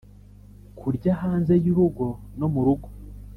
kurya hanze y'urugo no murugo